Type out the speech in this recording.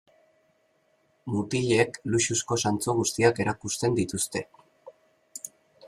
Mutilek luxuzko zantzu guztiak erakusten dituzte.